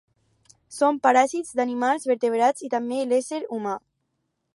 Són paràsits d'animals vertebrats, i també l'ésser humà.